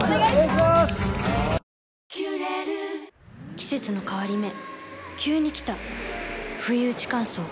季節の変わり目急に来たふいうち乾燥。